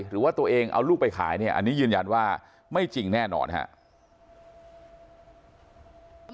หรือว่าตัวเองเอาลูกไปขายเนี่ยอันนี้ยืนยันว่าไม่จริงแน่นอนครับ